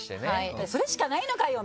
「それしかないのかよ！」